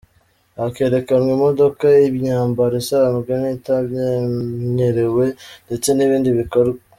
Hakerekanwa imodoka, imyambaro isanzwe n’itamenyerewe Ndetse n’ibindi bikorwa.